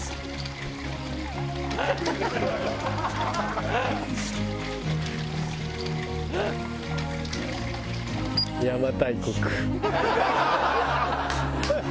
ハハハハ！